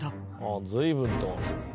「ああ随分と」